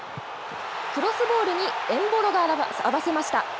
クロスボールにエンボロが合わせました。